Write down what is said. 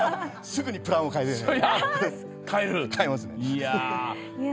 すぐにプランを変えて。